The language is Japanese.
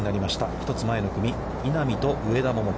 １つ前の組稲見と上田桃子。